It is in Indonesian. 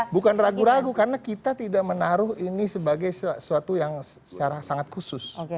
bukan ragu ragu karena kita tidak menaruh ini sebagai sesuatu yang secara sangat khusus